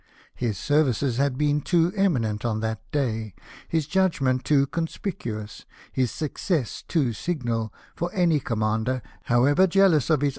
His services had been too eminent on that day, his judgment too conspicuous, his success too signal, for any commander, however jealous of his Q 242 LIFE OF NELSON.